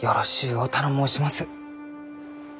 お頼申します。